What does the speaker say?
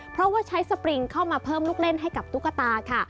เพราะว่าใช้สปริงเข้ามาเพิ่มลูกเล่นให้กับตุ๊กตาค่ะ